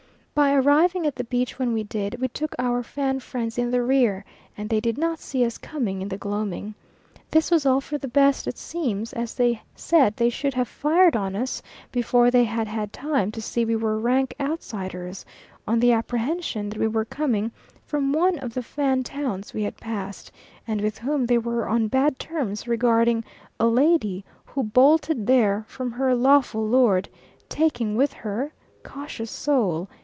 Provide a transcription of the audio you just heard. By arriving at the beach when we did, we took our Fan friends in the rear, and they did not see us coming in the gloaming. This was all for the best, it seems, as they said they should have fired on us before they had had time to see we were rank outsiders, on the apprehension that we were coming from one of the Fan towns we had passed, and with whom they were on bad terms regarding a lady who bolted there from her lawful lord, taking with her cautious soul!